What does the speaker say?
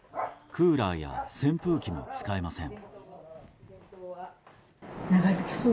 クーラーや扇風機も使えません。